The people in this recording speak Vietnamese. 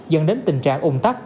dẫn đến tình trạng ủng tắc